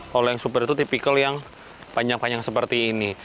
kalau yang super itu tipikal yang panjang panjang seperti ini